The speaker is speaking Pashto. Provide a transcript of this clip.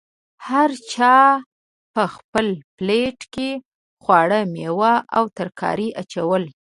هر چا په خپل پلیټ کې خواړه، میوه او ترکاري اچول.